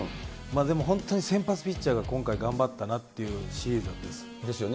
でも本当に先発ピッチャーが今回、頑張ったなっていうシリーズだったです。ですよね。